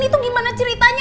itu gimana ceritanya